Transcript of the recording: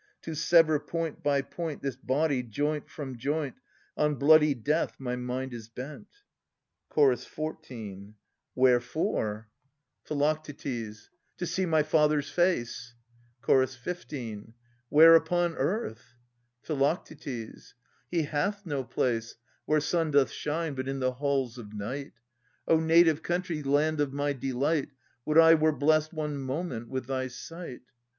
To sever point by point This body, joint from joint. On bloody death my mind is bent. Ch. 14. Wherefore ? 310 Philodetes [1210 1237 Phi. To see my father's face. Ch. 15. Where upon earth ? Phi. He hath no place Where sun doth shine, but in the halls of night. O native country, land of my delight, Would I were blest one moment with thy sight!